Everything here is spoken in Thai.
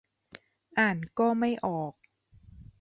อ่านก็ไม่ออก